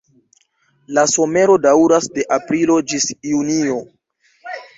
La somero daŭras de aprilo ĝis junio.